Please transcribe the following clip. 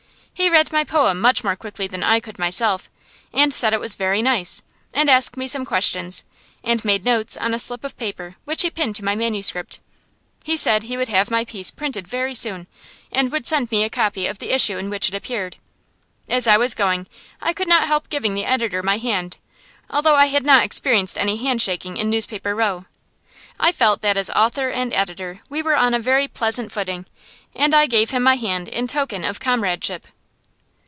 He read my poem much more quickly than I could myself, and said it was very nice, and asked me some questions, and made notes on a slip of paper which he pinned to my manuscript. He said he would have my piece printed very soon, and would send me a copy of the issue in which it appeared. As I was going, I could not help giving the editor my hand, although I had not experienced any handshaking in Newspaper Row. I felt that as author and editor we were on a very pleasant footing, and I gave him my hand in token of comradeship.